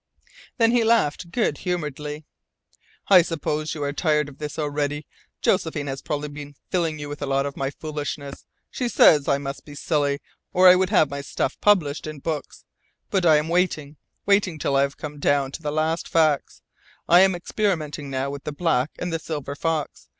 Then he laughed good humouredly. "I suppose you are tired of this already. Josephine has probably been filling you with a lot of my foolishness. She says I must be silly or I would have my stuff published in books. But I am waiting, waiting until I have come down to the last facts. I am experimenting now with the black and the silver fox.